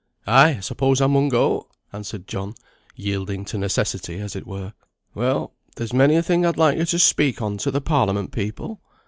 "Ay, I suppose I mun go," answered John, yielding to necessity as it were. "Well, there's many a thing I'd like yo to speak on to the Parliament people.